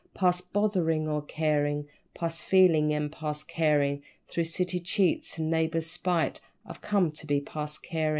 _Past botherin' or carin', Past feelin' and past carin'; Through city cheats and neighbours' spite, I've come to be past carin'.